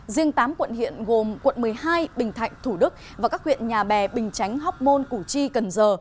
riêng tám quận hiện gồm quận một mươi hai bình thạnh thủ đức và các huyện nhà bè bình chánh hóc môn củ chi cần giờ